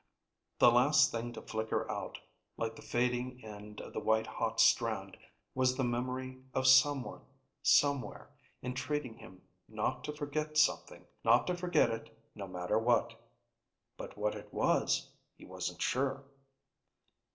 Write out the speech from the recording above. The last thing to flicker out, like the fading end of the white hot strand, was the memory of someone, somewhere, entreating him not to forget something, not to forget it no matter what ... but what it was, he wasn't sure.